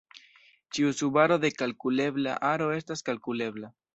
Ĉiu subaro de kalkulebla aro estas kalkulebla.